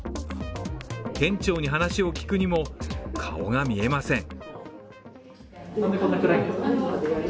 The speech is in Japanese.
店長に話を聞くにも、顔が見えません。